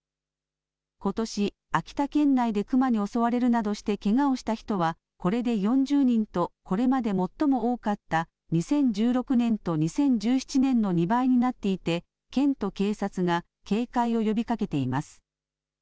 ことし秋田県内で熊に襲われるなどしてけがをした人はこれで４０人とこれまで最も多かった２０１６年と２０１７年の２倍になっていて県と警察が警戒を呼びかけています。